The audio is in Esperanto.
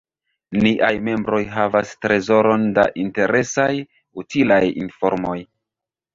Niaj membroj havas trezoron da interesaj, utilaj informoj.